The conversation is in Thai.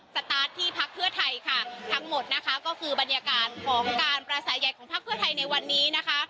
สตาร์ทที่พักเพื่อไทยค่ะทั้งหมดนะคะก็คือบรรยากาศของการประสาทใหญ่ของพักเพื่อไทยในวันนี้นะคะ